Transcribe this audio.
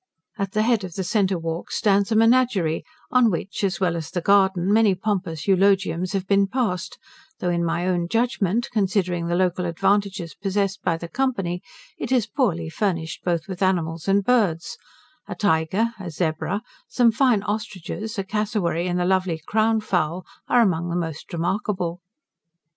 At the head of the centre walks stands a menagerie, on which, as well as the garden, many pompous eulogiums have been passed, though in my own judgment, considering the local advantages possessed by the Company, it is poorly furnished both with animals and birds; a tyger, a zebra, some fine ostriches, a cassowary, and the lovely crown fowl, are among the most remarkable.